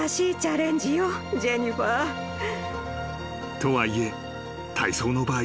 ［とはいえ体操の場合